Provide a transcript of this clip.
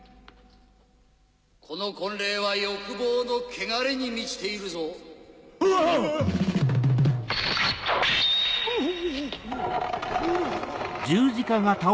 この婚礼は欲望の汚れに満ちているぞ・・うわっ‼・おおっ！